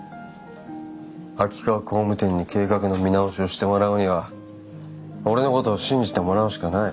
秋川工務店に計画の見直しをしてもらうには俺のことを信じてもらうしかない。